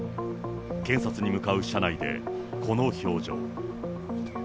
検察に向かう車内で、この表情。